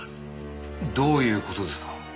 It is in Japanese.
どういう事ですか？